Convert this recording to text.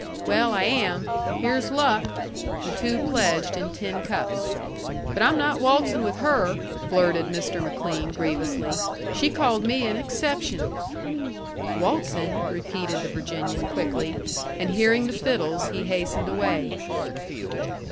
"Well, I am. Here's luck!" The two pledged in tin cups. "But I'm not waltzin' with her," blurted Mr. McLean grievously. "She called me an exception." "Waltzin'," repeated the Virginian quickly, and hearing the fiddles he hastened away.